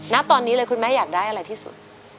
ณตอนนี้เลยคุณแม่อยากได้อะไรที่สุด